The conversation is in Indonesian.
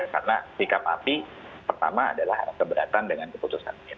karena sikap apvi pertama adalah keberatan dengan keputusan ini